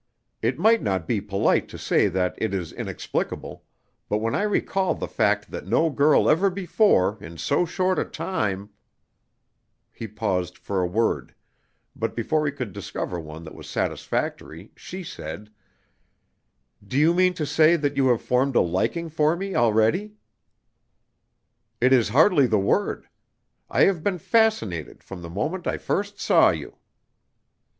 It might not be polite to say that it is inexplicable; but when I recall the fact that no girl ever before, in so short a time " He paused for a word, but before he could discover one that was satisfactory, she said: "Do you mean to say that you have formed a liking for me already?" "It is hardly the word. I have been fascinated from the moment I first saw you."